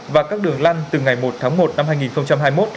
và các đường lăn từ ngày một tháng một năm hai nghìn hai mươi một